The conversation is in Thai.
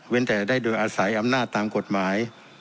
แต่ได้โดยอาศัยอำนาจตามกฎหมาย